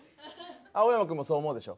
青山君もそう思うでしょ？